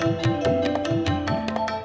ya kita ke rumah kita ke rumah